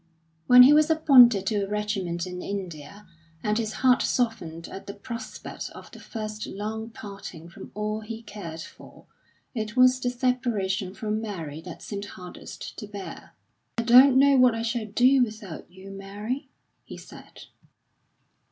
When he was appointed to a regiment in India, and his heart softened at the prospect of the first long parting from all he cared for, it was the separation from Mary that seemed hardest to bear. "I don't know what I shall do without you, Mary," he said.